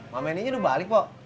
ma'am ini udah balik pok